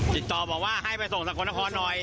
ติดต่อบอกว่าให้ไปส่งสักคนเนอะของหน่อย